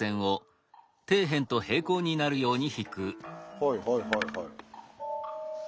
はいはいはいはい。